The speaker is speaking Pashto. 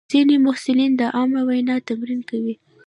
ځینې محصلین د عامه وینا تمرین کوي.